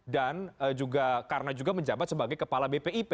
dan juga karena juga menjabat sebagai kepala bpip